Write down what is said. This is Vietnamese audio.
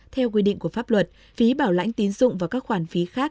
theo quy định của pháp luật phí bảo lãnh tín dụng và các khoản phí khác